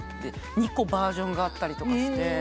２個バージョンがあったりとかして。